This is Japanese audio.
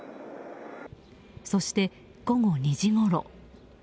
そして午後２時ごろ。